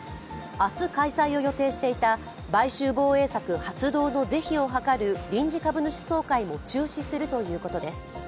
明日、開催を予定していた買収防衛策発動の是非をはかる臨時株主総会も中止するということです。